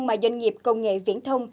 mà doanh nghiệp công nghệ viễn thông